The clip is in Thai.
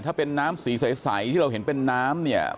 ถ้าเป็นน้ำสีใสที่เราเห็นเป็นน้ำเนี่ย